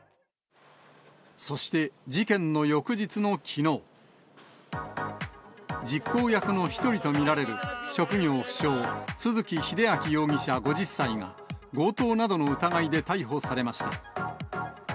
そして事件の翌日のきのう、実行役の一人と見られる職業不詳、都築英明容疑者５０歳が強盗などの疑いで逮捕されました。